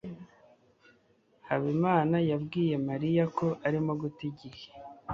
Habimana yabwiye Mariya ko arimo guta igihe.